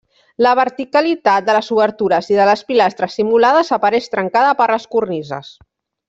La verticalitat de les obertures i de les pilastres simulades apareix trencada per les cornises.